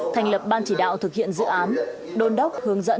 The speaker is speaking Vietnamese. thành lập ban chỉ đạo thực hiện dự án đôn đốc hướng dẫn